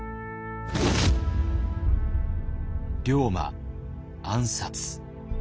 龍馬暗殺。